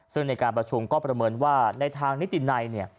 ซึ่งในการประชุมก็ประเมินว่าในทางนิตินัยเนี่ย